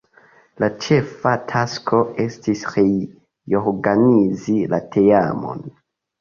La ĉefa tasko estis reorganizi la teamon.